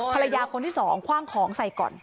ภรรยาคนที่สองคว่างของใส่ก่อน